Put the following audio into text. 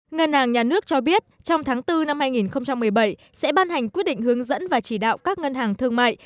ngân hàng nhà nước cho biết trong tháng bốn năm hai nghìn một mươi bảy sẽ ban hành quyết định hướng dẫn và chỉ đạo các ngân hàng thương mại